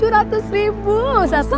tujuh ratus ribu satu